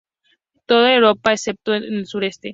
Toda Europa, excepto en el sureste.